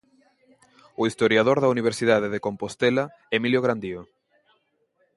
O historiador da Universidade de Compostela, Emilio Grandío.